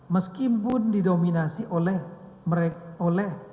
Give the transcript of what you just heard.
meskipun didominasi oleh